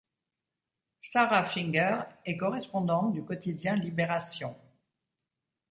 Sarah Finger est correspondante du quotidien Libération.